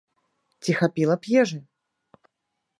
Ці хапіла б ежы?